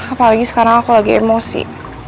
apalagi sekarang aku lagi emosi